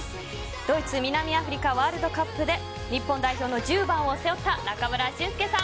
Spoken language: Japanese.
ドイツ南アフリカワールドカップで日本代表の１０番を背負った中村俊輔さん